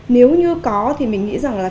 nếu như có thì mình nghĩ rằng là